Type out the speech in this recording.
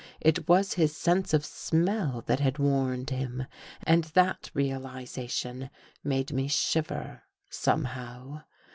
It was his sense of smell that had warned him and that reali zation made me shiver somehow.